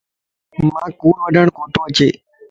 مانک ڪوڙ وڊاڻ ڪوتو اچي